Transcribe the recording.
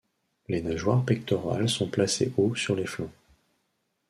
Les nageoires pectorales sont placés haut sur les flancs.